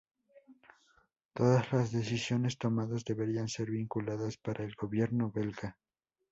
Todas las decisiones tomadas deberían ser vinculantes para el gobierno belga.